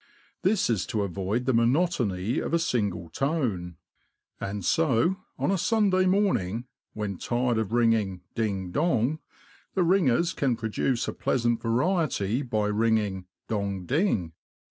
This is to avoid the monotony of a single tone ; and so, on a Sunday morning, when tired of ringing "ding dong," the ringers can produce a pleasant variety by ringing '' dong ding."